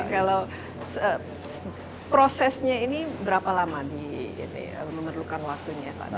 kalau prosesnya ini berapa lama memerlukan waktunya